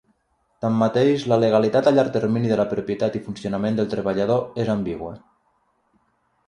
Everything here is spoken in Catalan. Tanmateix, la legalitat a llarg termini de la propietat i funcionament del treballador és ambigua.